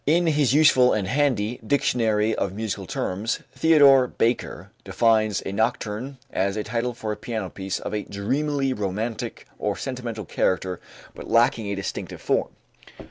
In his useful and handy "Dictionary of Musical Terms," Theodore Baker defines a nocturne as a title for a piano piece "of a dreamily romantic or sentimental character, but lacking a distinctive form."